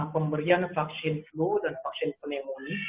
pemberian vaksin flu dan vaksin pneumonia